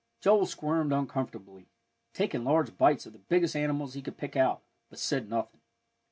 Joel squirmed uncomfortably, taking large bites of the biggest animals he could pick out, but said nothing.